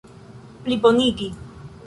plibonigi